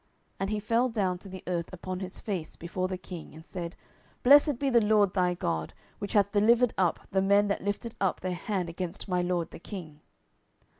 And he fell down to the earth upon his face before the king, and said, Blessed be the LORD thy God, which hath delivered up the men that lifted up their hand against my lord the king.